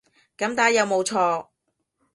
噉打有冇錯